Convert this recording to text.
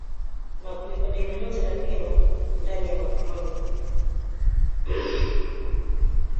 na kulipa deni lote la Kenya ndani ya mwaka mmoja